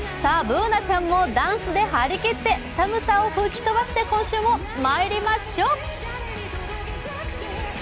Ｂｏｏｎａちゃんもダンスで張り切って寒さを吹き飛ばして今週もまいりましょう！